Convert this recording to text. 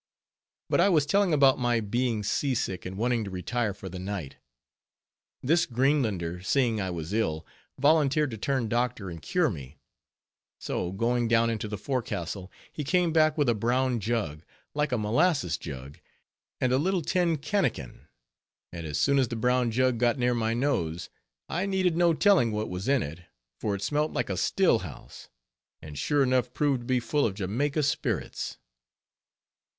But I was telling about my being sea sick and wanting to retire for the night. This Greenlander seeing I was ill, volunteered to turn doctor and cure me; so going down into the forecastle, he came back with a brown jug, like a molasses jug, and a little tin cannikin, and as soon as the brown jug got near my nose, I needed no telling what was in it, for it smelt like a still house, and sure enough proved to be full of Jamaica spirits.